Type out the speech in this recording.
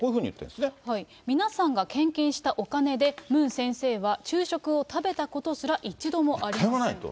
皆さんが献金したお金でムン先生は昼食を食べたことすら一度１回もないと。